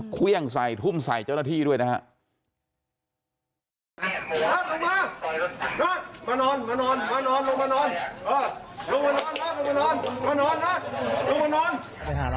เครื่องใส่ทุ่มใส่เจ้าหน้าที่ด้วยนะฮะ